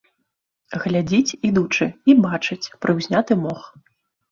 Глядзіць, ідучы, і бачыць прыўзняты мох.